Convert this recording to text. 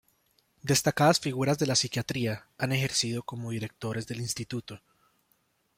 Destacadas figuras de la psiquiatría han ejercido como directores del Instituto.